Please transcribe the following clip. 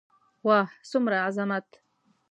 واه څومره عظمت.